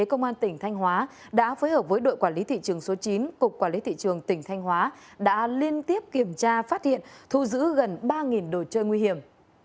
công an tỉnh thanh hóa đã phối hợp với đội quản lý thị trường số chín cục quản lý thị trường tỉnh thanh hóa đã liên tiếp kiểm tra phát hiện thu giữ gần ba đồ chơi nguy hiểm